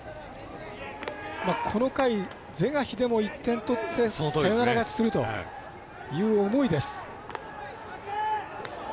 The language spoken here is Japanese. この回、是が非でも１点取ってサヨナラ勝ちするという思いです。